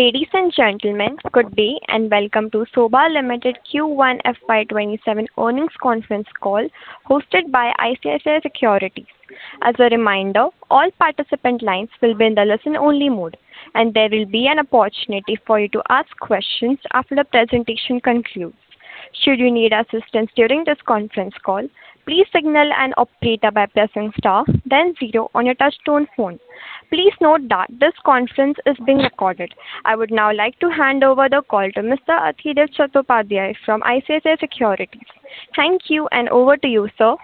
Ladies and gentlemen, good day, welcome to Sobha Limited Q1 FY 2027 earnings conference call hosted by ICICI Securities. As a reminder, all participant lines will be in the listen only mode, there will be an opportunity for you to ask questions after the presentation concludes. Should you need assistance during this conference call, please signal an operator by pressing star then zero on your touchtone phone. Please note that this conference is being recorded. I would now like to hand over the call to Mr. Adhidev Chattopadhyay from ICICI Securities. Thank you, over to you, sir.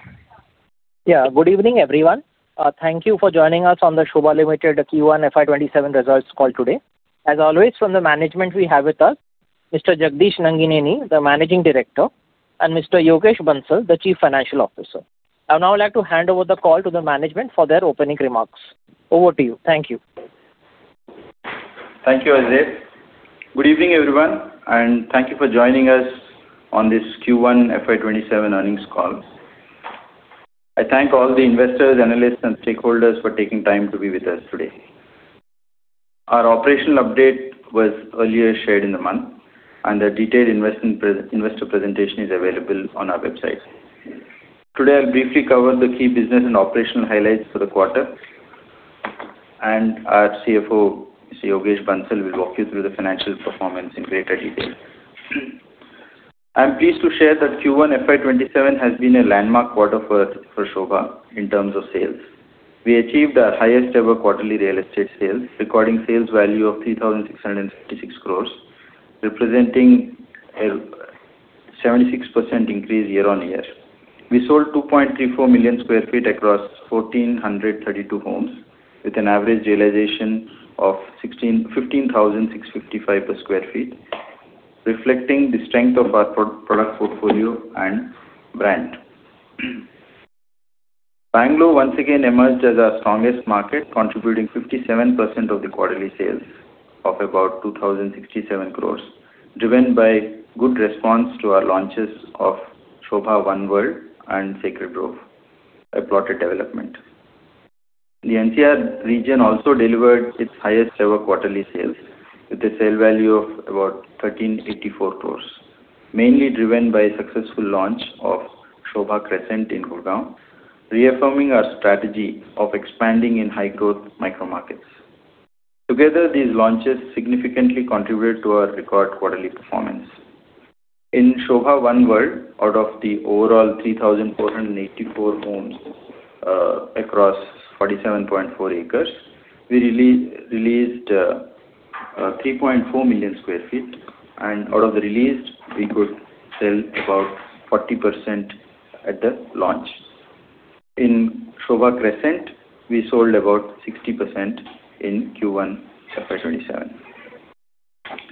Good evening, everyone. Thank you for joining us on the Sobha Limited Q1 FY 2027 results call today. As always, from the management we have with us Mr. Jagadish Nangineni, the Managing Director, and Mr. Yogesh Bansal, the Chief Financial Officer. I would now like to hand over the call to the management for their opening remarks. Over to you. Thank you. Thank you, Adhidev. Good evening, everyone, thank you for joining us on this Q1 FY 2027 earnings call. I thank all the investors, analysts, stakeholders for taking time to be with us today. Our operational update was earlier shared in the month, the detailed investor presentation is available on our website. Today, I'll briefly cover the key business and operational highlights for the quarter, our CFO, Mr. Yogesh Bansal, will walk you through the financial performance in greater detail. I'm pleased to share that Q1 FY 2027 has been a landmark quarter for Sobha in terms of sales. We achieved our highest-ever quarterly real estate sales, recording sales value of 3,656 crores, representing a 76% increase year-on-year. We sold 2.34 million sq ft across 1,432 homes with an average realization of 15,655 per sq ft, reflecting the strength of our product portfolio and brand. Bangalore once again emerged as our strongest market, contributing 57% of the quarterly sales of about 2,067 crores, driven by good response to our launches of Sobha One World and Sobha Sacred Grove, a plotted development. The NCR region also delivered its highest-ever quarterly sales with a sale value of about 1,384 crores, mainly driven by a successful launch of Sobha Crescent in Gurgaon, reaffirming our strategy of expanding in high growth micro markets. Together, these launches significantly contribute to our record quarterly performance. In Sobha One World, out of the overall 3,484 homes across 47.4 acres, we released 3.4 million sq ft. Out of the released, we could sell about 40% at the launch. In Sobha Crescent, we sold about 60% in Q1 FY 2027.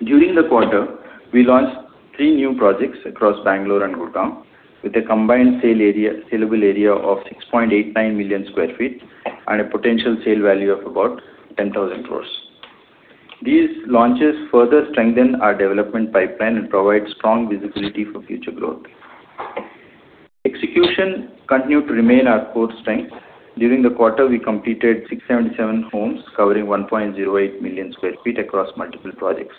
During the quarter, we launched three new projects across Bengaluru and Gurugram with a combined saleable area of 6.89 million sq ft and a potential sale value of about 10,000 crore. These launches further strengthen our development pipeline and provide strong visibility for future growth. Execution continued to remain our core strength. During the quarter, we completed 677 homes covering 1.08 million sq ft across multiple projects.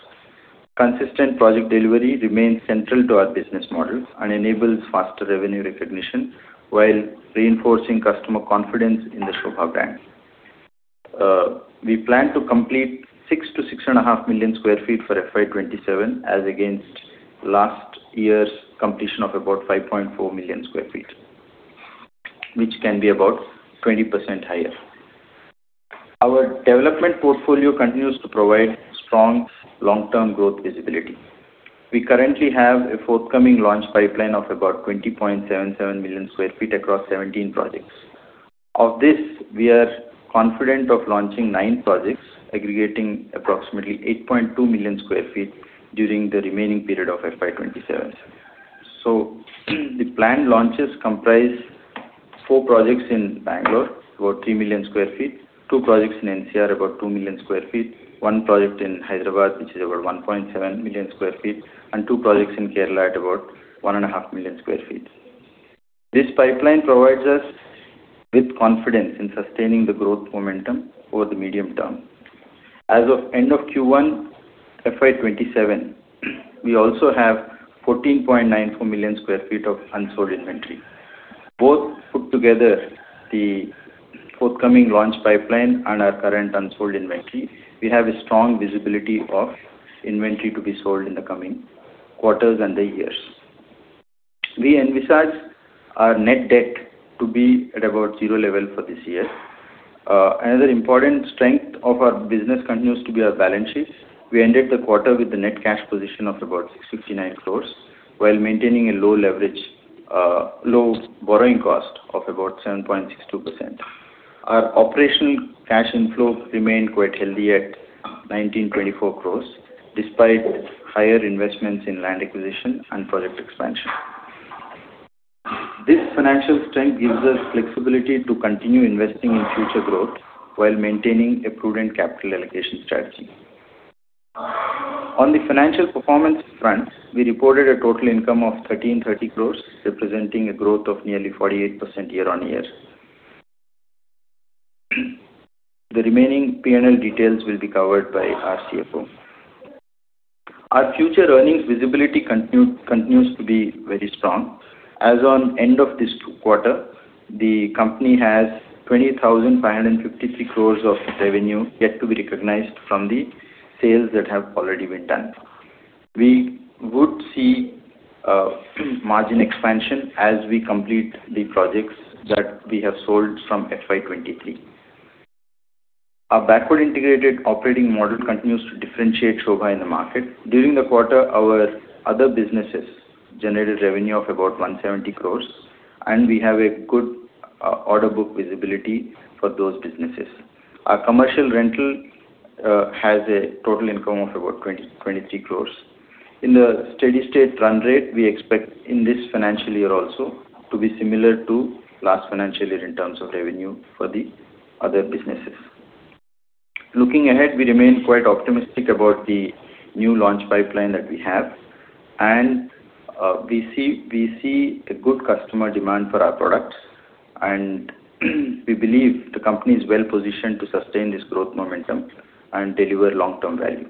Consistent project delivery remains central to our business model and enables faster revenue recognition while reinforcing customer confidence in the Sobha brand. We plan to complete 6 to 6.5 million sq ft for FY 2027 as against last year's completion of about 5.4 million sq ft, which can be about 20% higher. Our development portfolio continues to provide strong long-term growth visibility. We currently have a forthcoming launch pipeline of about 20.77 million sq ft across 17 projects. Of this, we are confident of launching nine projects aggregating approximately 8.2 million sq ft during the remaining period of FY 2027. The planned launches comprise four projects in Bengaluru, about 3 million sq ft, two projects in NCR, about 2 million sq ft, one project in Hyderabad, which is about 1.7 million sq ft, and two projects in Kerala at about 1.5 million sq ft. This pipeline provides us with confidence in sustaining the growth momentum over the medium term. As of end of Q1 FY 2027, we also have 14.94 million sq ft of unsold inventory. Both put together, the forthcoming launch pipeline and our current unsold inventory, we have a strong visibility of inventory to be sold in the coming quarters and the years. We envisage our net debt to be at about zero level for this year. Another important strength of our business continues to be our balance sheet. We ended the quarter with a net cash position of about 659 crore while maintaining a low leverage, low borrowing cost of about 7.62%. Our operational cash inflow remained quite healthy at 1,924 crore, despite higher investments in land acquisition and project expansion. This financial strength gives us flexibility to continue investing in future growth while maintaining a prudent capital allocation strategy. On the financial performance front, we reported a total income of 1,330 crore, representing a growth of nearly 48% year-over-year. The remaining P&L details will be covered by our CFO. Our future earnings visibility continues to be very strong. As on end of this quarter, the company has 20,553 crore of revenue yet to be recognized from the sales that have already been done. We would see margin expansion as we complete the projects that we have sold from FY 2023. Our backward integrated operating model continues to differentiate Sobha in the market. During the quarter, our other businesses generated revenue of about 170 crore, and we have a good order book visibility for those businesses. Our commercial rental has a total income of about 23 crore. In the steady state run rate, we expect in this financial year also to be similar to last financial year in terms of revenue for the other businesses. Looking ahead, we remain quite optimistic about the new launch pipeline that we have. We see a good customer demand for our products, and we believe the company is well-positioned to sustain this growth momentum and deliver long-term value.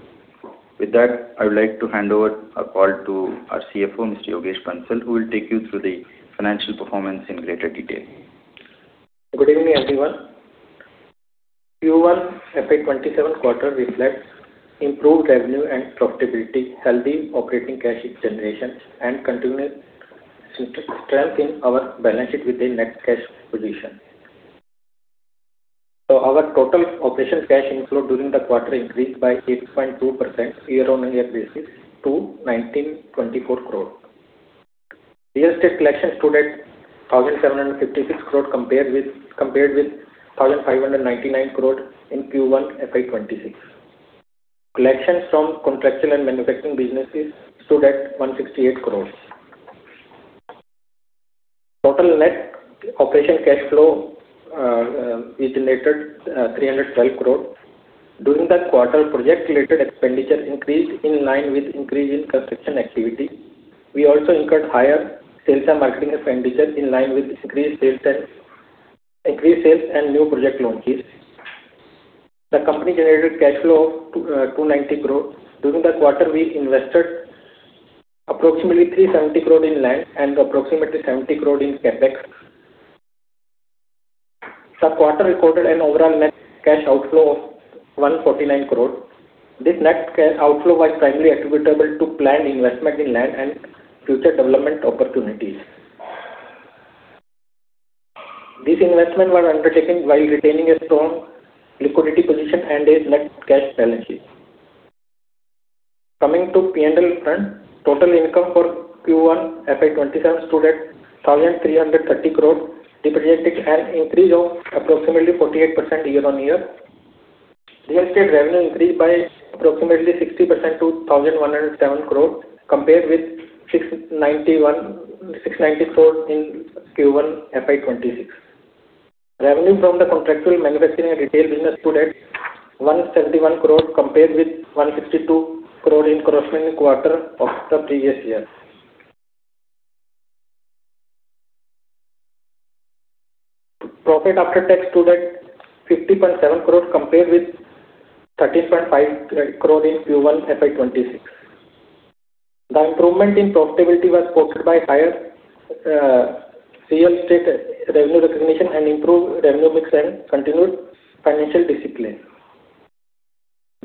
With that, I would like to hand over a call to our CFO, Mr. Yogesh Bansal, who will take you through the financial performance in greater detail. Good evening, everyone. Q1 FY 2027 quarter reflects improved revenue and profitability, healthy operating cash generation, and continued strength in our balance sheet with a net cash position. Our total operations cash inflow during the quarter increased by 8.2% year-on-year basis to 1,924 crore. Real estate collections stood at 1,756 crore compared with 1,599 crore in Q1 FY 2026. Collections from contractual and manufacturing businesses stood at 168 crore. Total net operation cash flow we generated 312 crore. During the quarter, project-related expenditure increased in line with increase in construction activity. We also incurred higher sales and marketing expenditure in line with increased sales and new project launches. The company generated cash flow of 290 crore. During the quarter, we invested approximately 370 crore in land and approximately 70 crore in CapEx. The quarter recorded an overall net cash outflow of 149 crore. This net cash outflow was primarily attributable to planned investment in land and future development opportunities. These investments were undertaken while retaining a strong liquidity position and a net cash balance sheet. Coming to P&L front, total income for Q1 FY 2027 stood at 1,330 crore, representing an increase of approximately 48% year-on-year. Real estate revenue increased by approximately 60% to 1,107 crore compared with 690 crore in Q1 FY 2026. Revenue from the contractual manufacturing and retail business stood at 171 crore, compared with 162 crore in corresponding quarter of the previous year. Profit after tax stood at 50.7 crore, compared with 30.5 crore in Q1 FY 2026. The improvement in profitability was supported by higher real estate revenue recognition and improved revenue mix and continued financial discipline.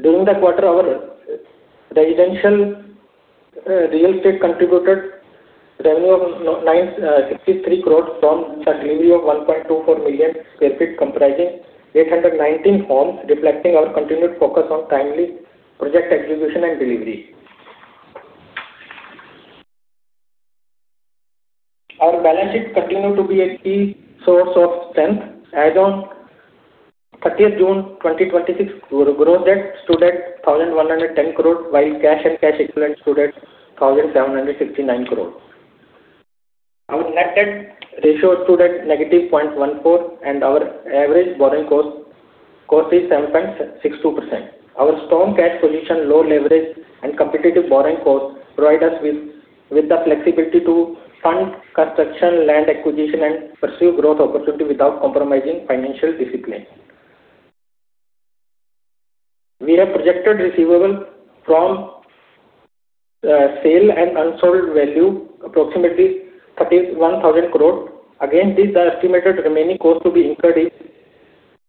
During the quarter, our residential real estate contributed revenue of 63 crore from the delivery of 1.24 million sq ft, comprising 819 homes, reflecting our continued focus on timely project execution and delivery. Our balance sheet continued to be a key source of strength. As on 30th June 2026, gross debt stood at 1,110 crore, while cash and cash equivalents stood at 1,769 crore. Our net debt ratio stood at negative 0.14, and our average borrowing cost is 7.62%. Our strong cash position, low leverage, and competitive borrowing costs provide us with the flexibility to fund construction, land acquisition, and pursue growth opportunities without compromising financial discipline. We have projected receivable from sale and unsold value approximately 31,000 crore. Against this, the estimated remaining cost to be incurred is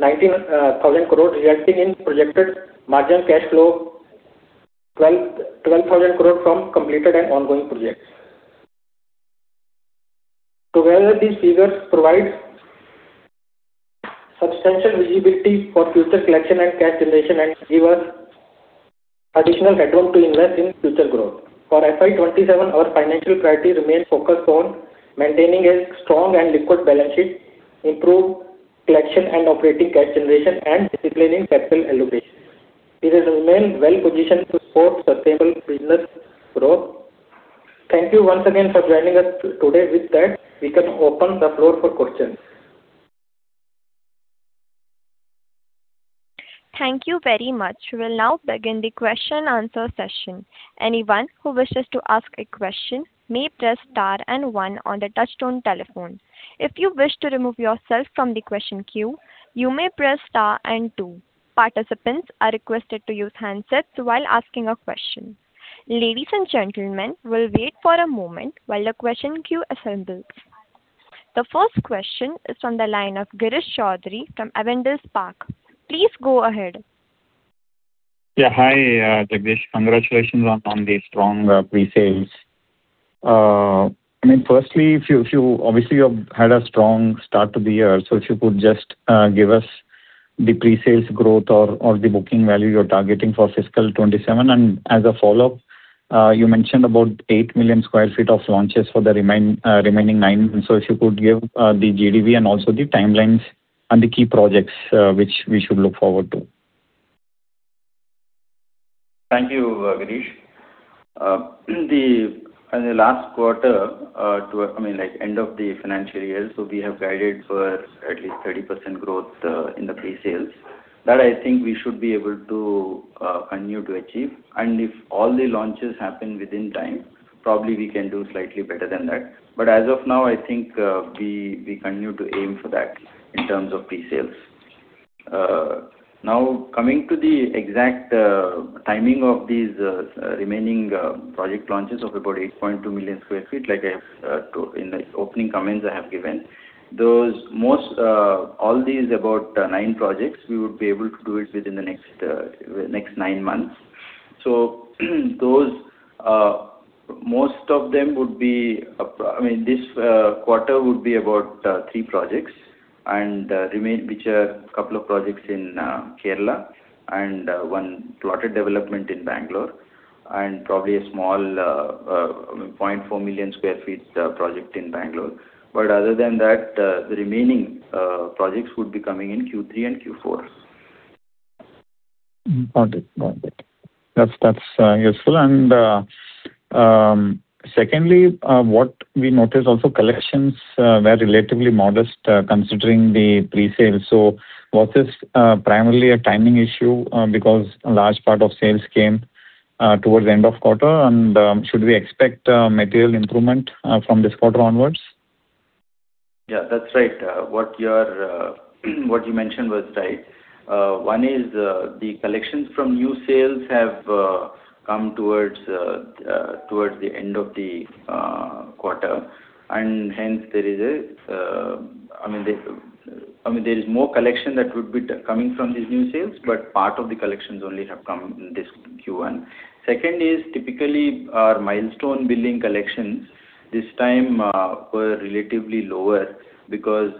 19,000 crore, resulting in projected margin cash flow 12,000 crore from completed and ongoing projects. Together, these figures provide substantial visibility for future collection and cash generation and give us additional headroom to invest in future growth. For FY 2027, our financial priority remains focused on maintaining a strong and liquid balance sheet, improved collection and operating cash generation, and discipline in capital allocation. It has remained well positioned to support sustainable business growth. Thank you once again for joining us today. With that, we can open the floor for questions. Thank you very much. We will now begin the question and answer session. Anyone who wishes to ask a question may press star and one on the touchtone telephone. If you wish to remove yourself from the question queue, you may press star and two. Participants are requested to use handsets while asking a question. Ladies and gentlemen, we'll wait for a moment while the question queue assembles. The first question is from the line of Girish Choudhary from Avendus Spark. Please go ahead. Yeah. Hi, Jagadish. Congratulations on the strong pre-sales. Firstly, obviously, you've had a strong start to the year, if you could just give us the pre-sales growth or the booking value you're targeting for FY 2027. As a follow-up, you mentioned about 8 million sq ft of launches for the remaining nine. If you could give the GDV and also the timelines on the key projects which we should look forward to. Thank you, Girish. In the last quarter, end of the financial year, we have guided for at least 30% growth in the pre-sales. That I think we should be able to continue to achieve. If all the launches happen within time, probably we can do slightly better than that. As of now, I think I continue to aim for that in terms of pre-sales. Coming to the exact timing of these remaining project launches of about 8.2 million sq ft, like in the opening comments I have given. All these about nine projects, we would be able to do it within the next nine months. Most of them, this quarter would be about three projects, which are couple of projects in Kerala and one plotted development in Bengaluru, and probably a small, 0.4 million sq ft project in Bengaluru. Other than that, the remaining projects would be coming in Q3 and Q4. Got it. That's useful. Secondly, what we noticed also, collections were relatively modest considering the pre-sale. Was this primarily a timing issue because a large part of sales came towards the end of quarter, and should we expect material improvement from this quarter onwards? Yeah, that's right. What you mentioned was right. One is, the collections from new sales have come towards the end of the quarter, and hence there is more collection that would be coming from these new sales, but part of the collections only have come in this Q1. Second is, typically, our milestone billing collections this time were relatively lower because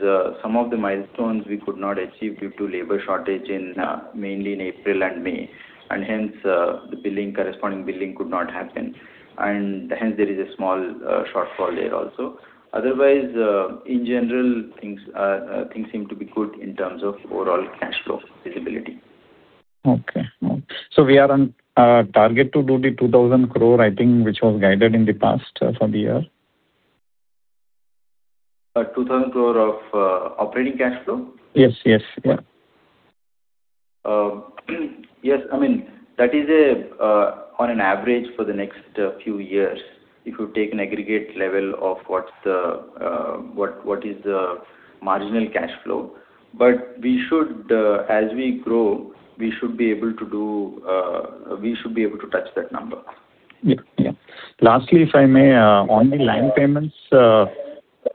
some of the milestones we could not achieve due to labor shortage mainly in April and May. Hence, the corresponding billing could not happen. Hence, there is a small shortfall there also. Otherwise, in general, things seem to be good in terms of overall cash flow visibility. Okay. We are on target to do the 2,000 crore, I think, which was guided in the past for the year? 2,000 crore of operating cash flow? Yes. Yes, that is on an average for the next few years. If you take an aggregate level of what is the marginal cash flow. As we grow, we should be able to touch that number. Lastly, if I may, on the land payments,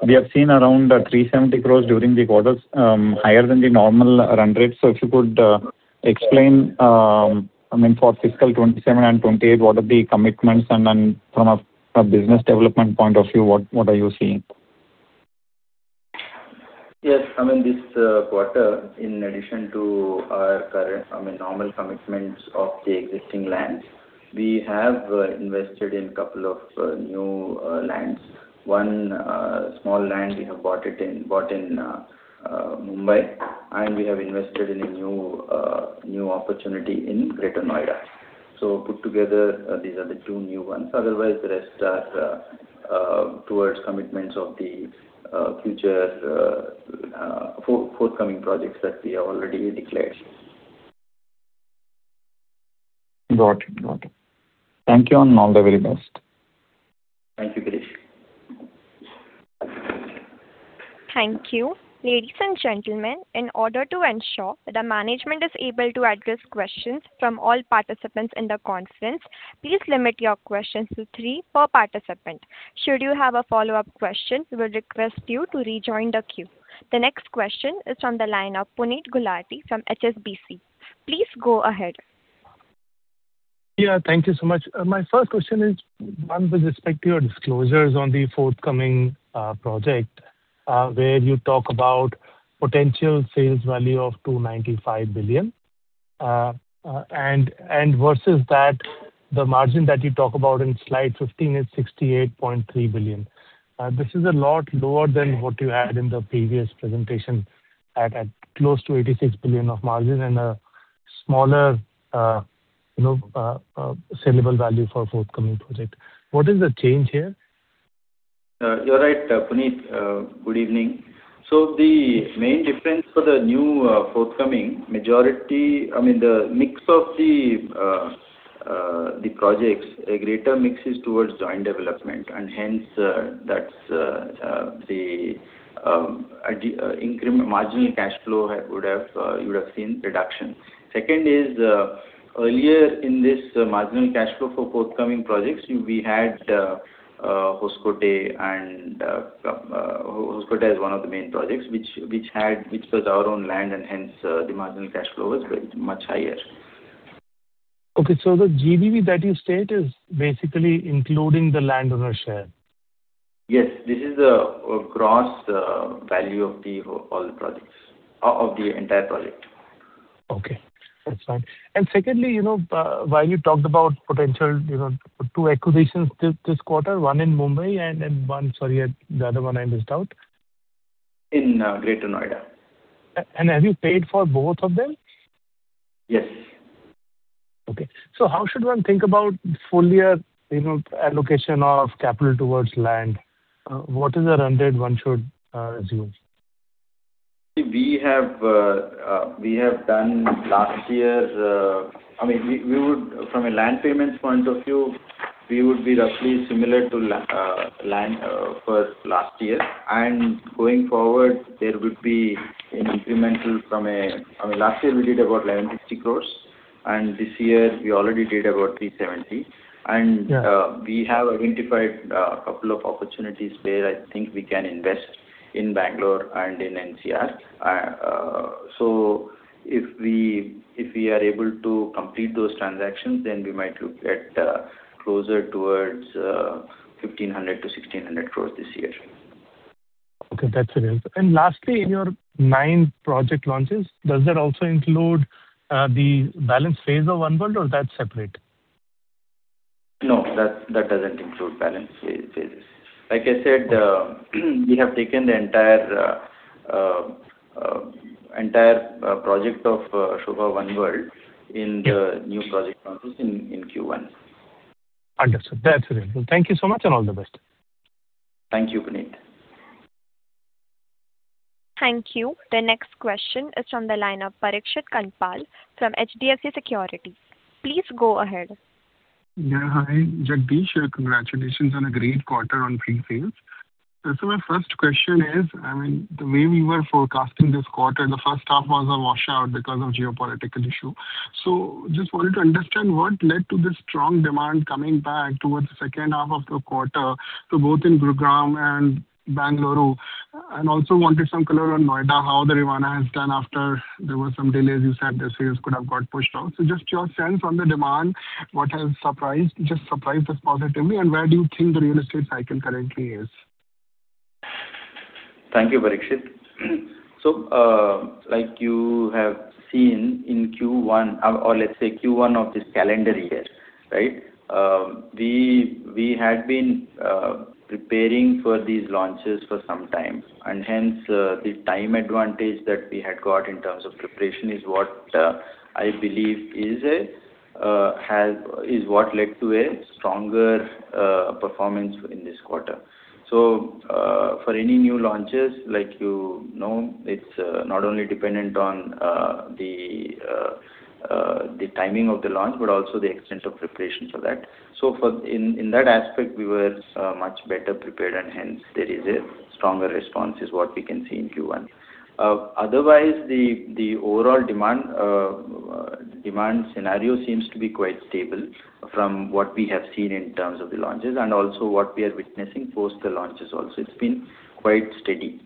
we have seen around 370 crore during the quarters, higher than the normal run rate. If you could explain for FY 2027 and FY 2028, what are the commitments, and then from a business development point of view, what are you seeing? Yes. This quarter, in addition to our normal commitments of the existing lands, we have invested in couple of new lands. One small land we have bought in Mumbai, and we have invested in a new opportunity in Greater Noida. Put together, these are the two new ones. Otherwise, the rest are towards commitments of the future forthcoming projects that we have already declared. Got it. Thank you, and all the very best. Thank you, Girish. Thank you. Ladies and gentlemen, in order to ensure the management is able to address questions from all participants in the conference, please limit your questions to three per participant. Should you have a follow-up question, we would request you to rejoin the queue. The next question is from the line of Puneet Gulati from HSBC. Please go ahead. Yeah, thank you so much. My first question is one with respect to your disclosures on the forthcoming project, where you talk about potential sales value of 295 billion, and versus that, the margin that you talk about in slide 15 is 68.3 billion. This is a lot lower than what you had in the previous presentation at close to 86 billion of margin and a smaller sellable value for forthcoming project. What is the change here? You're right, Puneet. Good evening. The main difference for the new forthcoming majority, the mix of the projects, a greater mix is towards joint development, and hence that's the marginal cash flow you would have seen reduction. Second is, earlier in this marginal cash flow for forthcoming projects, we had Hoskote. Hoskote is one of the main projects, which was our own land, and hence the marginal cash flow was much higher. Okay. The GDV that you state is basically including the landowner share? Yes. This is a gross value of the entire project. Okay. That's fine. Secondly, while you talked about potential two acquisitions this quarter, one in Mumbai and then one, sorry, the other one I missed out. In Greater Noida. Have you paid for both of them? Yes. Okay. How should one think about full year allocation of capital towards land? What is the run rate one should assume? We have done From a land payments point of view, we would be roughly similar to land for last year. Going forward, there would be an incremental Last year, we did about 1,160 crore, this year we already did about 370 crore. We have identified a couple of opportunities where I think we can invest in Bangalore and in NCR. If we are able to complete those transactions, then we might look at closer towards 1,500 crore-1,600 crore this year. Okay. That's relevant. Lastly, in your nine project launches, does that also include the balance phase of One World or that's separate? No, that doesn't include balance phases. Like I said, we have taken the entire project of Sobha One World in the new project launches in Q1. Understood. That's relevant. Thank you so much, and all the best. Thank you, Puneet. Thank you. The next question is from the line of Parikshit Kandpal from HDFC Securities. Please go ahead. Hi, Jagadish. Congratulations on a great quarter on pre-sales. My first question is, the way we were forecasting this quarter, the first half was a washout because of geopolitical issue. Just wanted to understand what led to this strong demand coming back towards the second half of the quarter. Both in Gurugram and Bengaluru, and also wanted some color on Noida, how the Rivana has done after there were some delays, you said the sales could have got pushed on. Just your sense on the demand, what has just surprised us positively, and where do you think the real estate cycle currently is? Thank you, Parikshit. Like you have seen in Q1 or let's say Q1 of this calendar year, we had been preparing for these launches for some time, and hence the time advantage that we had got in terms of preparation is what I believe is what led to a stronger performance in this quarter. For any new launches, like you know, it's not only dependent on the timing of the launch, but also the extent of preparations for that. In that aspect, we were much better prepared, and hence there is a stronger response, is what we can see in Q1. Otherwise, the overall demand scenario seems to be quite stable from what we have seen in terms of the launches and also what we are witnessing post the launches also. It's been quite steady.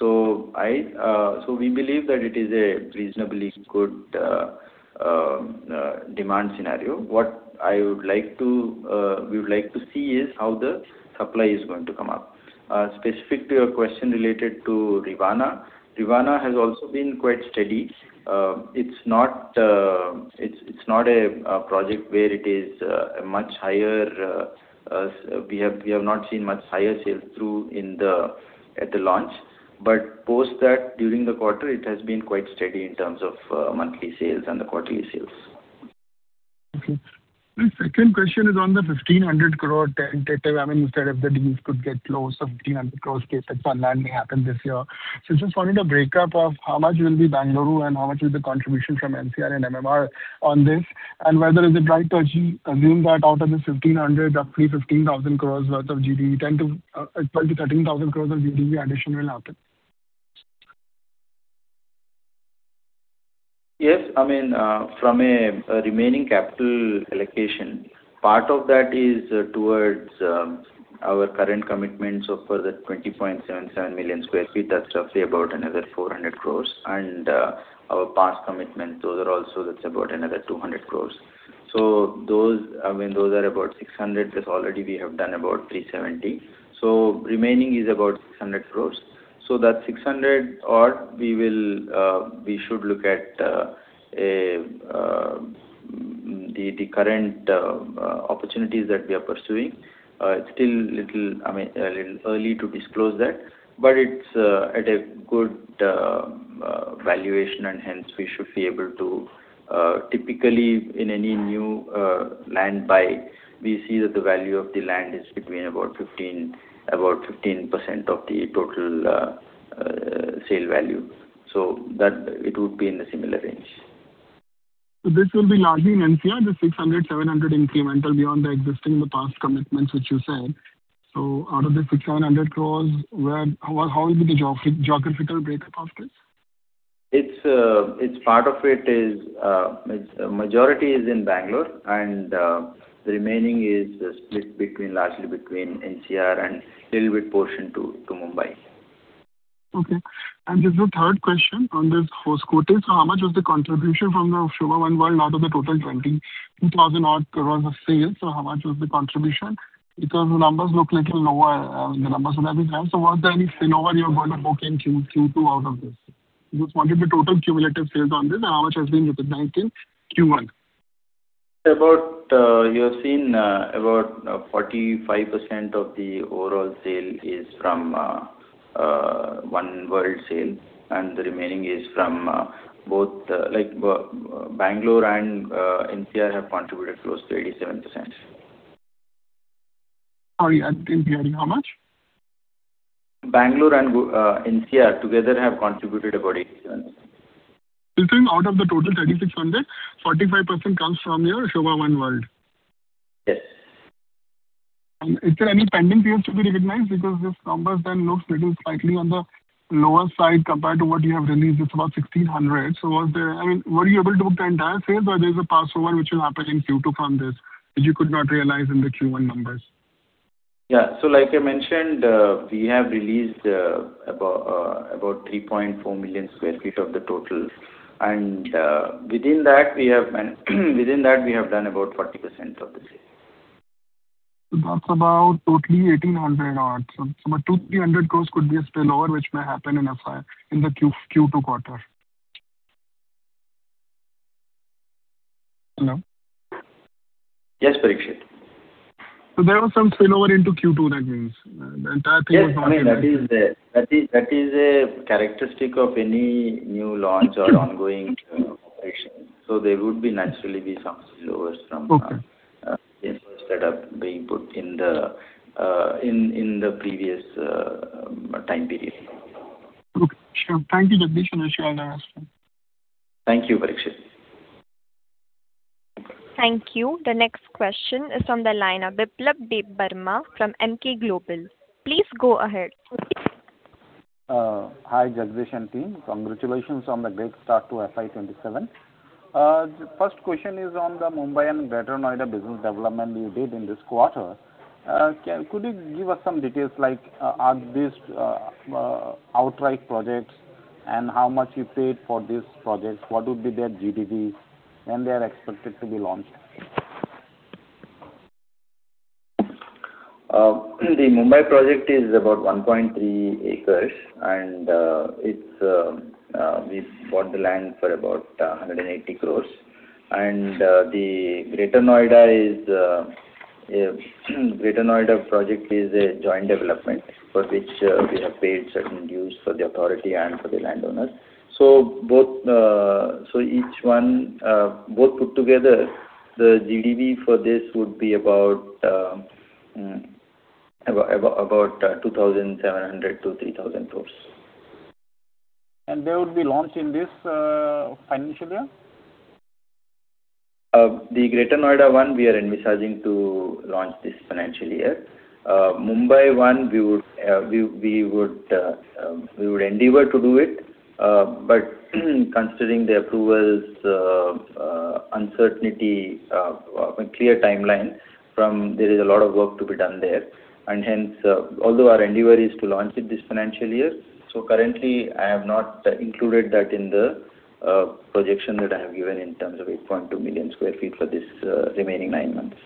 We believe that it is a reasonably good demand scenario. What we would like to see is how the supply is going to come up. Specific to your question related to Rivana has also been quite steady. It's not a project where it is much higher. We have not seen much higher sales through at the launch. Post that, during the quarter, it has been quite steady in terms of monthly sales and the quarterly sales. Okay. My second question is on the 1,500 crore tentative. You said if the deals could get close of 1,500 crore, CapEx on land may happen this year. Just wanted a breakup of how much will be Bengaluru and how much will be contribution from NCR and MMR on this, and whether is it right to assume that out of this 1,500, roughly 15,000 crore worth of GDV, 12,000 crore-13,000 crore of GDV additional happen? Yes. From a remaining capital allocation, part of that is towards our current commitments for the 20.77 million sq ft. That's roughly about another 400 crore. Our past commitments, those are also, that's about another 200 crore. Those are about 600. That already we have done about 370, remaining is about 600 crore. That 600 odd, we should look at the current opportunities that we are pursuing. It's still a little early to disclose that, but it's at a good valuation, and hence we should be able to Typically, in any new land buy, we see that the value of the land is between about 15% of the total sale value. It would be in a similar range. This will be largely in NCR, the 600-700 incremental beyond the existing, the past commitments which you said. Out of the 600 crore, how will be the geographical breakup of this? Majority is in Bangalore, the remaining is split largely between NCR and a little bit portion to Mumbai. Okay. This is the third question on this first quarter. How much was the contribution from the Sobha One World out of the total 20,000 odd crores of sales? How much was the contribution? Because the numbers look like a lower, the numbers that we have. Was there any spillover you're going to book in Q2 out of this? Just wanted the total cumulative sales on this and how much has been recognized in Q1. You have seen about 45% of the overall sale is from One World Sale, the remaining is from Bangalore and NCR have contributed close to 87%. Sorry, NCR how much? Bangalore and NCR together have contributed about 87%. Out of the total 3,600, 45% comes from your Sobha One World? Yes. Is there any pending sales to be recognized? This numbers then looks little slightly on the lower side compared to what you have released. It's about 1,600. I mean, were you able to book the entire sale, or there's a passover which will happen in Q2 from this, that you could not realize in the Q1 numbers? Yeah. Like I mentioned, we have released about 3.4 million square feet of the total. Within that, we have done about 40% of the sale. That's about totally 1,800 odd. About 2,300 crores could be a spillover, which may happen in FY in the Q2 quarter. Hello? Yes, Parikshit. There was some spillover into Q2, that means. Yes. I mean, that is a characteristic of any new launch or ongoing operation. There would be naturally be some spillovers sales that are being put in the previous time period. Okay, sure. Thank you, Jagadish. I wish you all the best. Thank you, Parikshit. Thank you. The next question is on the line of Biplab Debbarma from Emkay Global. Please go ahead. Hi, Jagadish and team. Congratulations on the great start to FY27. The first question is on the Mumbai and Greater Noida business development you did in this quarter. Could you give us some details, like are these outright projects, and how much you paid for these projects? What would be their GDV when they're expected to be launched? The Mumbai project is about 1.3 acres, and we bought the land for about 180 crores. The Greater Noida project is a joint development for which we have paid certain dues for the authority and for the landowners. Both put together, the GDV for this would be about 2,700 to 3,000 crores. They would be launched in this financial year? The Greater Noida one, we are envisaging to launch this financial year. Mumbai one, we would endeavor to do it. Considering the approvals, uncertainty of a clear timeline, there is a lot of work to be done there. Hence, although our endeavor is to launch it this financial year, so currently, I have not included that in the projection that I have given in terms of 8.2 million square feet for this remaining nine months.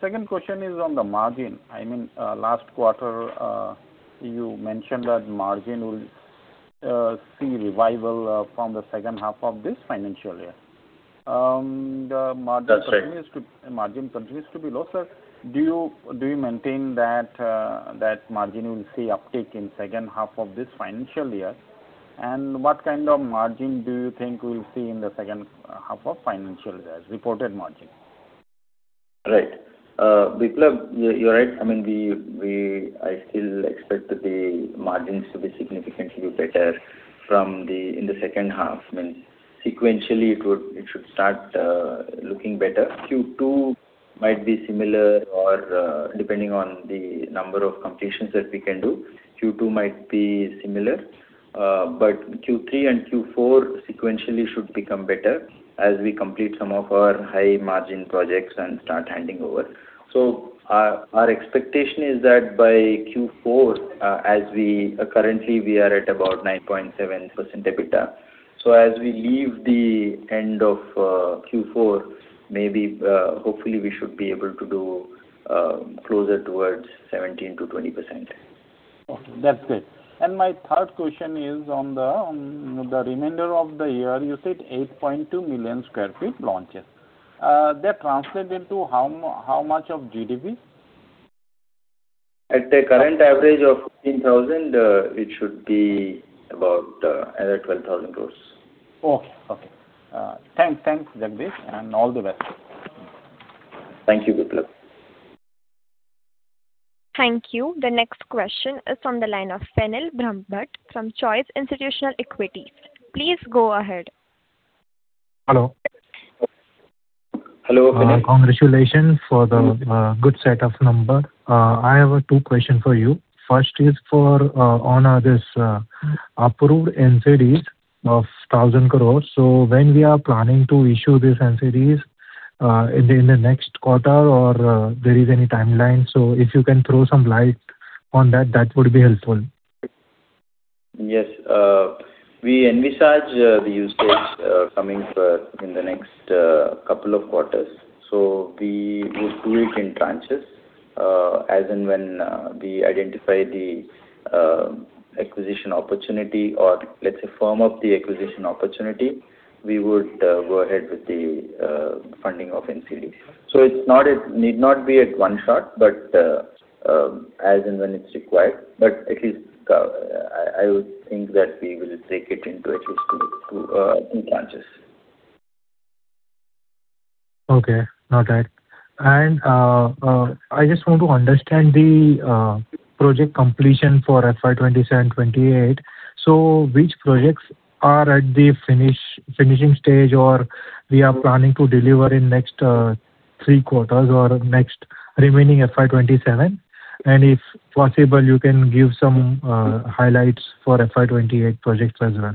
Second question is on the margin. I mean, last quarter, you mentioned that margin will see revival from the second half of this financial year. That's right. Margin continues to be low, sir. Do you maintain that margin will see uptick in second half of this financial year? What kind of margin do you think we'll see in the second half of financial year, as reported margin? Right. Biplab, you're right. I still expect the margins to be significantly better in the second half. I mean, sequentially, it should start looking better. Depending on the number of completions that we can do, Q2 might be similar. Q3 and Q4 sequentially should become better as we complete some of our high-margin projects and start handing over. Our expectation is that by Q4, currently we are at about 9.7% EBITDA. As we leave the end of Q4, hopefully, we should be able to do closer towards 17%-20%. Okay, that's it. My third question is on the remainder of the year. You said 8.2 million square feet launches. That translate into how much of GDV? At the current average of 15,000, it should be about 12,000 gross. Okay. Thanks, Jagadish, and all the best. Thank you, Biplab. Thank you. The next question is from the line of Fenil Brahmbhatt from Choice Institutional Equities. Please go ahead. Hello. Hello. Congratulations for the good set of numbers. I have two questions for you. First is on this approved NCDs of 1,000 crores. When we are planning to issue these NCDs, in the next quarter or there is any timeline? If you can throw some light on that would be helpful. Yes. We envisage the usage coming in the next couple of quarters. We would do it in tranches, as and when we identify the acquisition opportunity or, let's say, firm up the acquisition opportunity, we would go ahead with the funding of NCD. It need not be at one shot, but as and when it's required. At least I would think that we will take it in tranches. Okay. All right. I just want to understand the project completion for FY 2027 and FY 2028. Which projects are at the finishing stage, or we are planning to deliver in next three quarters or next remaining FY 2027? If possible, you can give some highlights for FY 2028 projects as well.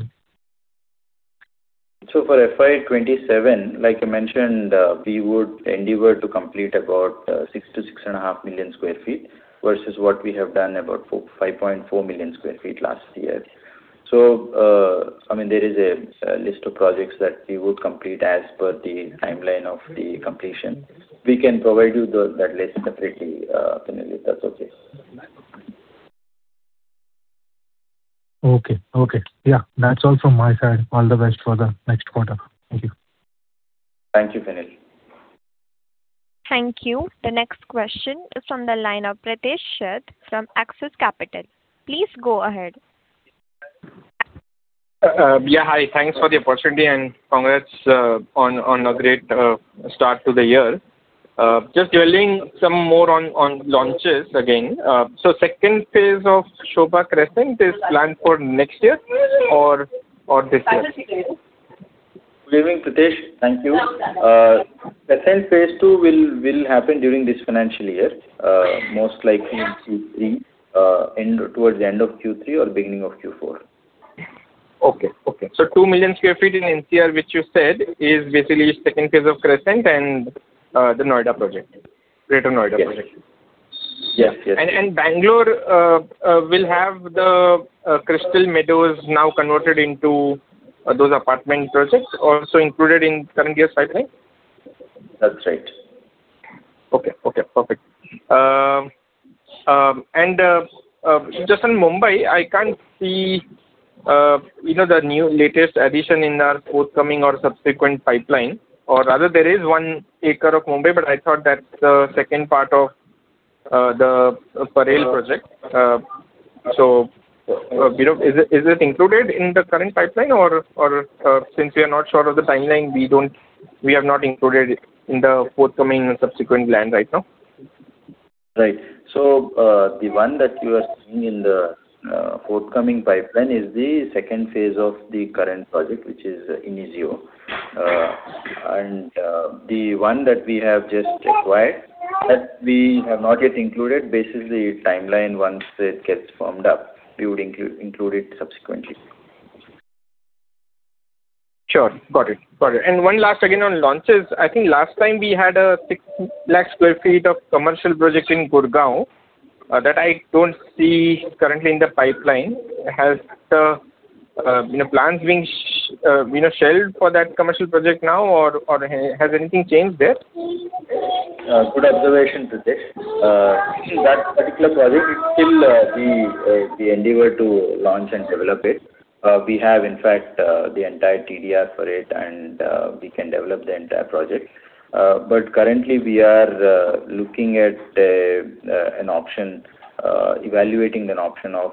For FY 2027, like I mentioned, we would endeavor to complete about 6 to 6.5 million square feet, versus what we have done, about 5.4 million square feet last year. There is a list of projects that we would complete as per the timeline of the completion. We can provide you that list separately, Fenil, if that's okay. Okay. Yeah. That's all from my side. All the best for the next quarter. Thank you. Thank you, Fenil. Thank you. The next question is from the line of Pritesh Sheth from Axis Capital. Please go ahead. Yeah, hi. Thanks for the opportunity, and congrats on a great start to the year. Just dwelling some more on launches again. Second phase of Sobha Crescent is planned for next year or this year? Good evening, Pritesh. Thank you. Crescent phase II will happen during this financial year, most likely towards the end of Q3 or beginning of Q4. Okay. 2 million sq ft in NCR, which you said, is basically phase II of Crescent and the Noida project, Greater Noida project. Yes. Bangalore will have the Crystal Meadows now converted into those apartment projects also included in current year's pipeline? That's right. Okay. Perfect. Just on Mumbai, I can't see the new latest addition in our forthcoming or subsequent pipeline. Rather there is one acre of Mumbai, but I thought that's the second part of the Parel project. Is it included in the current pipeline or since we are not sure of the timeline, we have not included it in the forthcoming subsequent plan right now? Right. The one that you are seeing in the forthcoming pipeline is the second phase of the current project, which is Sobha Inizio. The one that we have just acquired, that we have not yet included. Based on the timeline, once it gets firmed up, we would include it subsequently. Sure. Got it. One last, again, on launches. I think last time we had a six lakh sq ft of commercial project in Gurgaon. That I don't see currently in the pipeline. Has the plans been shelved for that commercial project now, or has anything changed there? Good observation, Pritesh. That particular project, we endeavor to launch and develop it. We have, in fact, the entire TDR for it, and we can develop the entire project. Currently, we are looking at evaluating an option of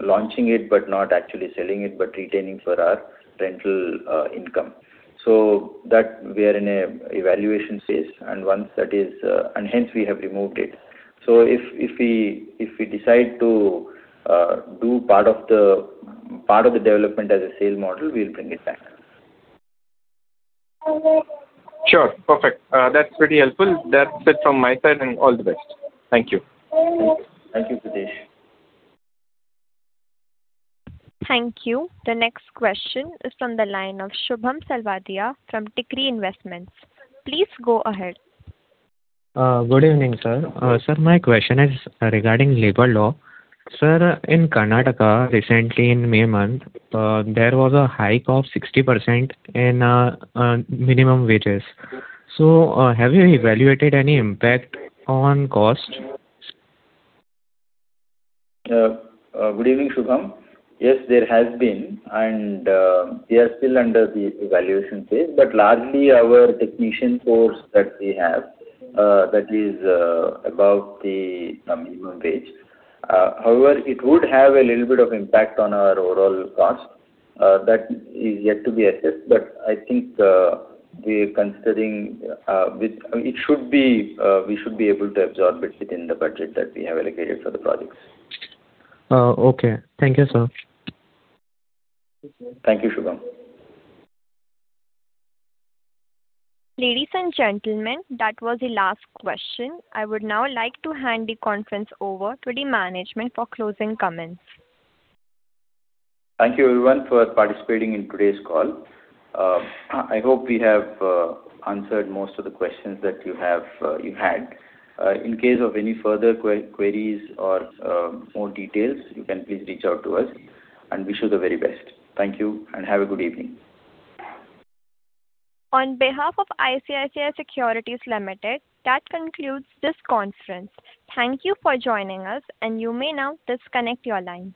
launching it, but not actually selling it, but retaining for our rental income. That we are in a evaluation phase, and hence we have removed it. If we decide to do part of the development as a sale model, we'll bring it back. Sure. Perfect. That's pretty helpful. That's it from my side, and all the best. Thank you. Thank you, Pritesh. Thank you. The next question is from the line of Shubham Selvadia from Tikri Investments. Please go ahead. Good evening, sir. Sir, my question is regarding labor law. Sir, in Karnataka, recently in May month, there was a hike of 60% in minimum wages. Have you evaluated any impact on cost? Good evening, Shubham. Yes, there has been, and we are still under the evaluation phase. Largely our technician force that we have, that is above the minimum wage. However, it would have a little bit of impact on our overall cost. That is yet to be assessed, but I think we should be able to absorb it within the budget that we have allocated for the projects. Okay. Thank you, sir. Thank you, Shubham. Ladies and gentlemen, that was the last question. I would now like to hand the conference over to the management for closing comments. Thank you, everyone, for participating in today's call. I hope we have answered most of the questions that you had. In case of any further queries or more details, you can please reach out to us. Wish you the very best. Thank you, and have a good evening. On behalf of ICICI Securities Limited, that concludes this conference. Thank you for joining us, and you may now disconnect your lines.